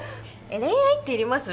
恋愛っていります？